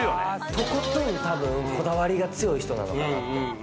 とことんこだわりが強い人なのかな？